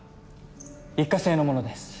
一過性のものです。